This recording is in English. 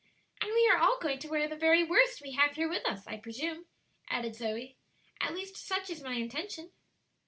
"And we are all going to wear the very worst we have here with us, I presume," added Zoe; "at least such is my intention."